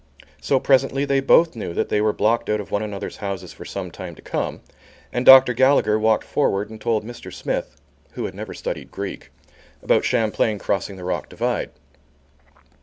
So presently they both knew that they were blocked out of one another's houses for some time to come, and Dr. Gallagher walked forward and told Mr. Smith, who had never studied Greek, about Champlain crossing the rock divide.